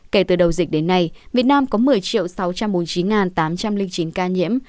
kể từ đầu dịch đến nay việt nam có một mươi sáu trăm bốn mươi chín tám trăm linh chín ca nhiễm